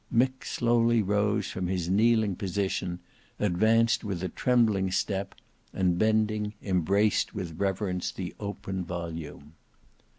Mick slowly rose from his kneeling position, advanced with a trembling step, and bending, embraced with reverence the open volume.